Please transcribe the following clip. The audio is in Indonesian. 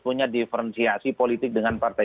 punya diferensiasi politik dengan partai